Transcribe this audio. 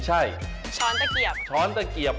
เอาล่ะเดินทางมาถึงในช่วงไฮไลท์ของตลอดกินในวันนี้แล้วนะครับ